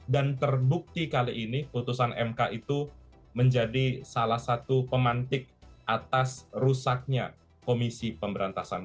dan terdukti kali ini putusan mk itu menjadi salah satu pemantik atas rusaknya komisi pemberantasan